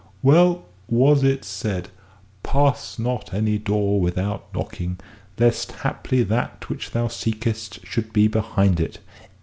"Well was it said: 'Pass not any door without knocking, lest haply that which thou seekest should be behind it.'"